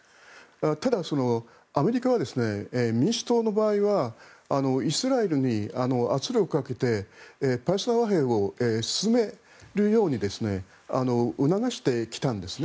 ただ、アメリカは民主党の場合はイスラエルに圧力をかけてパレスチナ和平を進めるように促してきたんですね。